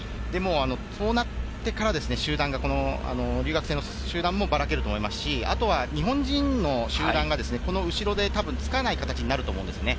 そうなってから集団が、留学生の集団がばらけると思いますし、あとは日本人の集団がこの後ろでたぶんつかない形になると思うんですね。